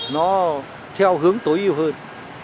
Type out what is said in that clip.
nó theo hướng tối ưu hơn